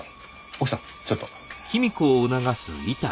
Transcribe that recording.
奥さんちょっと。